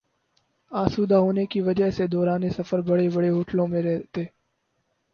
آسودہ ہونے کی وجہ سے دوران سفر بڑے بڑے ہوٹلوں میں رہتے